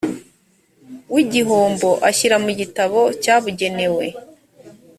w igihombo ashyira mu gitabo cyabugenewe